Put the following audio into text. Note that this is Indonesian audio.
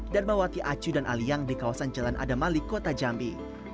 dan bawa tiacu dan aliyang di kawasan jalan adamali kota jambi